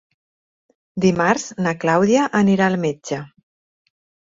Dimarts na Clàudia anirà al metge.